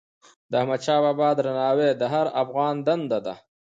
د احمدشاه بابا درناوی د هر افغان دنده ده.